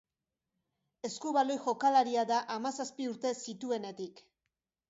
Eskubaloi jokalaria da hamazazpi urte zituenetik.